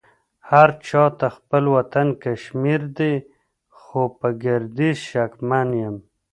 هرچا ته خپل وطن کشمير دې خو په ګرديز شکمن يم